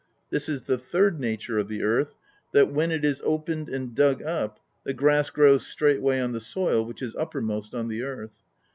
This is the third nature of the earth, that when it is opened and dug up, the grass grows straightway on the soil which is uppermost on the earth.